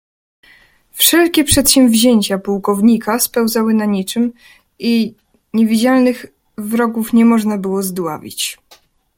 "Wszelkie przedsięwzięcia pułkownika spełzały na niczem i niewidzialnych wrogów nie można było zdławić."